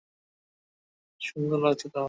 সুন্দর লাগছে তোমাকে।